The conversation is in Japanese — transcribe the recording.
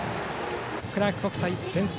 クラーク国際、先制。